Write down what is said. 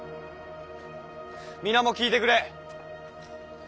皆も聞いてくれ。